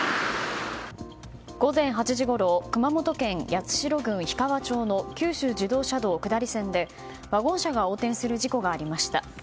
午前８時ごろ熊本県八代郡氷川町の九州自動車道下り線でワゴン車が横転する事故がありました。